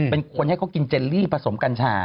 เป็นคนให้เขากินเจลลี่ผสมกัญชา